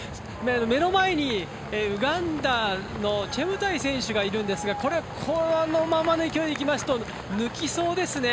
目の前にウガンダのチェムタイ選手がいるんですがこれ、このままの勢いでいきますと抜きそうですね。